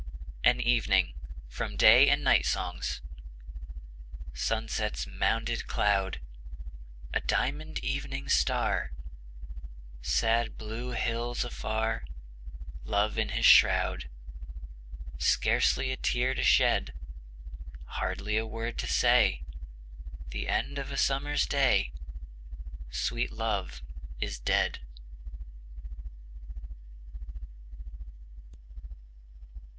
From 'Ballads and Songs.' AN EVENING Sunset's mounded cloud; A diamond evening star; Sad blue hills afar: Love in his shroud. Scarcely a tear to shed; Hardly a word to say; The end of a summer's day; Sweet Love is dead.